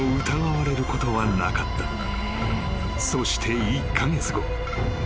［そして１カ月後］